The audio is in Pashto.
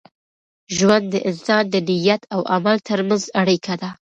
ژوند د انسان د نیت او عمل تر منځ اړیکه ده.